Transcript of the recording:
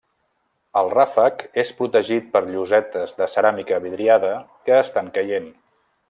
El ràfec és protegit per llosetes de ceràmica vidriada que estan caient.